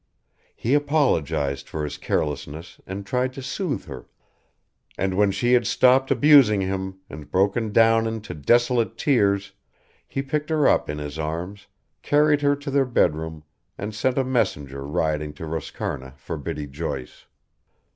He apologised for his carelessness and tried to soothe her, and when she had stopped abusing him and broken down into desolate tears he picked her up in his arms, carried her to their bedroom, and sent a messenger riding to Roscarna for Biddy Joyce.